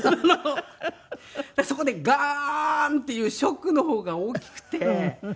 そこでガーン！っていうショックの方が大きくて。